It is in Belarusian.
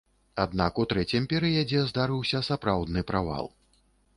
Аднак у трэцім перыядзе здарыўся сапраўдны правал.